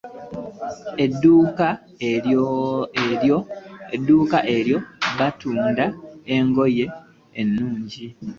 Edduuka eryo batunda engoye ennungi.